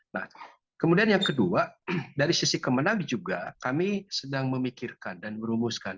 nah kemudian yang kedua dari sisi kemenang juga kami sedang memikirkan dan merumuskan